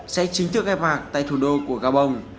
sẽ chính thức khai mạc tại thủ đô của gabon